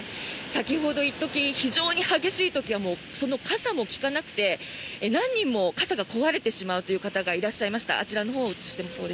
先ほど、一時非常に激しい時にはその傘も利かなくて、何人も傘が壊れてしまうという方がいらっしゃいました。